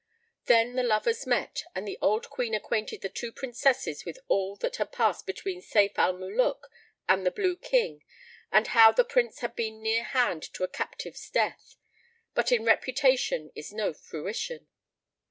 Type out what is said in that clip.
Then the lovers met, and the old Queen acquainted the two Princesses with all that had passed between Sayf al Muluk and the Blue King and how the Prince had been nearhand to a captive's death; but in repetition is no fruition.